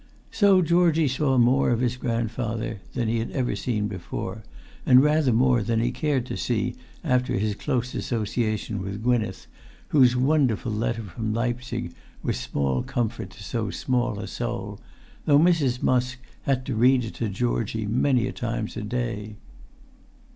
So Georgie saw more of his grandfather than he had ever seen before, and rather more than he cared to see after his close association with Gwynneth, whose wonderful letter from Leipzig was small comfort to so small a soul, though Mrs. Musk had to read it to Georgie many times a day.